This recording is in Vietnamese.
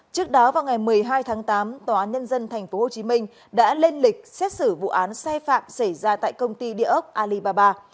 trước đó vào ngày một mươi hai tháng tám tòa nhân dân tp hcm đã lên lịch xét xử vụ án sai phạm xảy ra tại công ty địa ốc alibaba